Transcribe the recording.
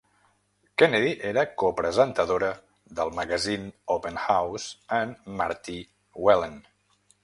Kennedy era copresentadora del magazín "Open House" amb Marty Whelan.